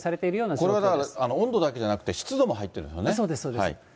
これは温度だけじゃなくて、湿度も入っそうです、そうです。